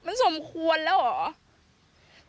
มันสมควรแล้วเหรอ